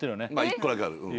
１個だけある。